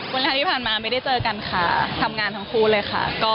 เวลาที่ผ่านมาไม่ได้เจอกันค่ะทำงานทั้งคู่เลยค่ะ